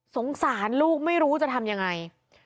สงสารลูกไม่รู้จะทำยังไง